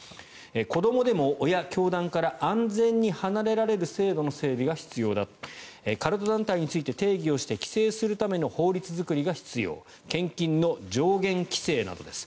子どもでも親、教団から安全に離れられる制度の整備が必要だカルト団体について定義をして規制するための法律作りが必要献金の上限規制などです。